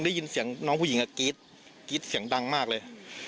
ได้ยินเสียงน้องผู้หญิงกรี๊ดกรี๊ดเสียงดังมากเลย